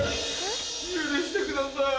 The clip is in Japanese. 許してください。